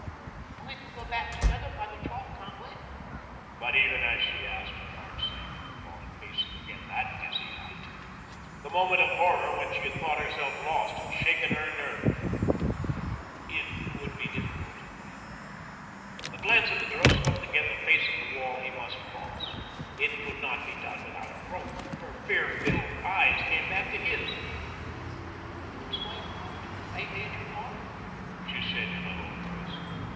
"We can go back together by the trough, can't we?" But even as she asked, her heart sank at the thought of facing again that dizzy height. The moment of horror when she had thought herself lost had shaken her nerve. "It would be difficult." The glance of the girl swept again the face of the wall he must cross. It could not be done without a rope. Her fear filled eyes came back to his. "It's my fault. I made you come," she said in a low voice.